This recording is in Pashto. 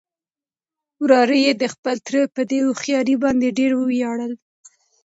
وراره يې د خپل تره په دې هوښيارۍ باندې ډېر ووياړل.